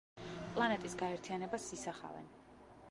პლანეტის გაერთიანებას ისახავენ.